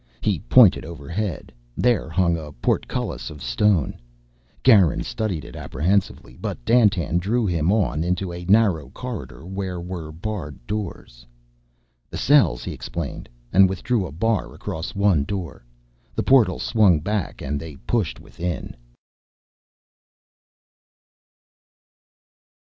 He pointed overhead. There hung a portcullis of stone. Garin studied it apprehensively. But Dandtan drew him on into a narrow corridor where were barred doors. "The cells," he explained, and withdrew a bar across one door. The portal swung back and they pushed within.